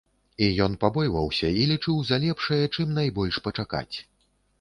І ён пабойваўся і лічыў за лепшае чым найбольш пачакаць.